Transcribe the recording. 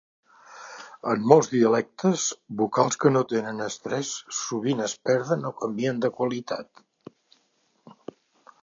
En molts dialectes, vocals que no tenen estrès sovint es perden, o canvien de qualitat.